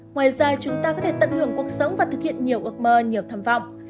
ngoài ra chúng ta có thể tận hưởng cuộc sống và thực hiện nhiều ước mơ nhiều thầm vọng